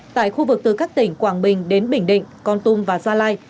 tại khu vực từ các tỉnh quảng bình đến bình định con tum và gia lai